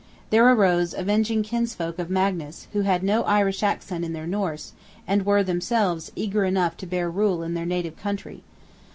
There arose avenging kinsfolk of Magnus, who had no Irish accent in their Norse, and were themselves eager enough to bear rule in their native country.